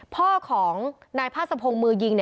พ่อของนายพาสะพงศ์มือยิง